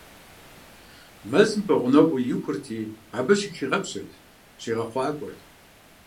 Мэзым пэгъунэгъуу ихурти, абы щыхигъэпщырт, щигъэхъуакӏуэрт.